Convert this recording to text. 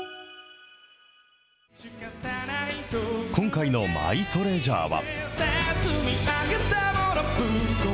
今回のマイトレジャーは。